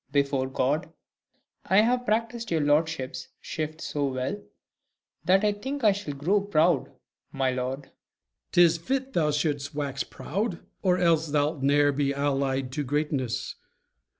Before God, I have practised your lordship's shift so well, that I think I shall grow proud, my lord. MORE. Tis fit thou shouldst wax proud, or else thou'lt ne'er Be near allied to greatness.